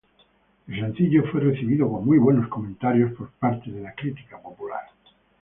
El sencillo fue recibido con muy buenos comentarios por parte de la crítica popular.